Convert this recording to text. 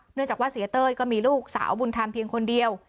เนื่องจากว่าเสียเต้ยก็มีลูกสาวบุญธรรมเพียงคนเดียว